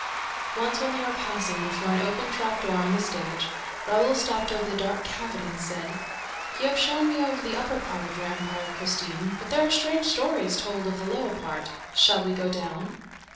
Once, when they were passing before an open trapdoor on the stage, Raoul stopped over the dark cavity. "You have shown me over the upper part of your empire, Christine, but there are strange stories told of the lower part. Shall we go down?"